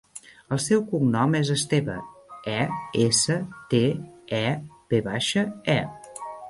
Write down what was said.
El seu cognom és Esteve: e, essa, te, e, ve baixa, e.